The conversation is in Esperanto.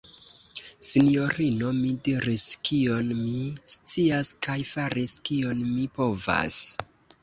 sinjorino, mi diris, kion mi scias, kaj faris, kion mi povas!